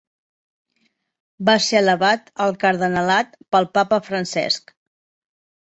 Va ser elevat al cardenalat pel Papa Francesc.